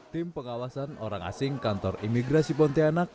tim pengawasan orang asing kantor imigrasi pontianak